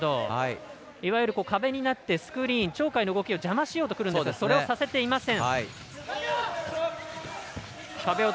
いわゆる壁になってスクリーン鳥海の動きを邪魔しようとくるんですがそれをさせてません。